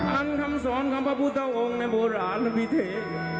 อันคำสอนของพระพุทธองค์ในโบราณและวิเทศ